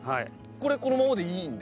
これこのままでいいんですか？